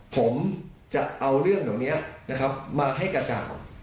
ผมจะเอาเรื่องตรงนี้มาให้กระจ่าว